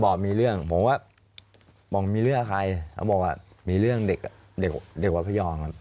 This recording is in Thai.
บอกมีเรื่องผมว่ามีเรื่องใครบอกว่ามีเรื่องเด็กวัดพระยอง